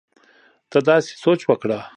ته داسې سوچ وکړه